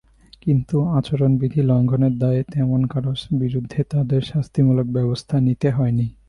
কিন্তু আচরণবিধি লঙ্ঘনের দায়ে তেমন কারও বিরুদ্ধে তাঁদের শাস্তিমূলক ব্যবস্থা নিতে হয়নি।